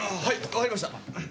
わかりました。